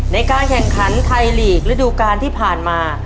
ในการแข่งขันไทยลีกระดูกาลที่ผ่านมา